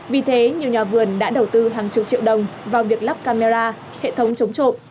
vì thế nhiều nhà vườn đã đầu tư hàng chục triệu đồng vào việc lắp camera hệ thống chống trộm